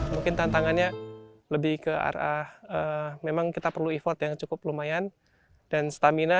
mungkin tantangannya lebih ke arah memang kita perlu effort yang cukup lumayan dan stamina